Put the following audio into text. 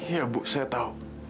ya bu saya tahu